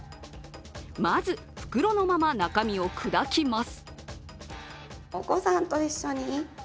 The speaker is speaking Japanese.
まず、袋のまま中身を砕きます。